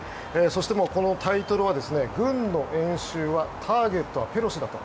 そして、このタイトルは軍の演習はターゲットはペロシだと。